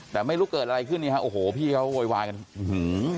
แต่ไม่ชวงเกิดอะไรขึ้นนี่พี่เขาวัยวายหือง